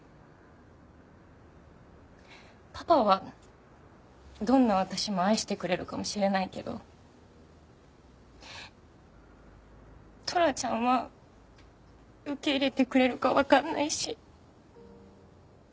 パパはどんな私も愛してくれるかもしれないけどトラちゃんは受け入れてくれるかわかんないし。